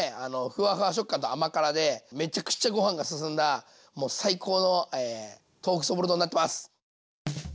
ふわふわ食感と甘辛でめちゃくちゃご飯が進んだもう最高の豆腐そぼろ丼になってます。